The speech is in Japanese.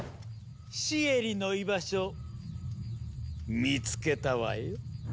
シエリの居場所見つけたわよ。